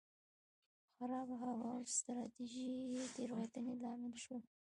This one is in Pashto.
خرابه هوا او ستراتیژیکې تېروتنې لامل شول.